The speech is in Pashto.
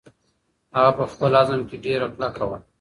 هغه په خپل عزم کې ډېره کلکه وه.